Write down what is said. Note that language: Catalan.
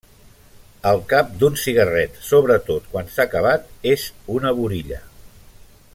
El cap d'un cigarret, sobretot quan s'ha acabat és una burilla.